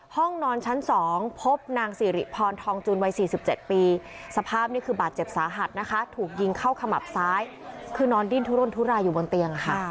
ห้องนอนชั้นสองพบนางสิริพรทองจูนวัย๔๗ปี